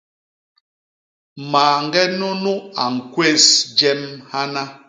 Mañge nunu a ñkwés jem hana.